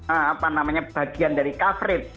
apa namanya bagian dari coverage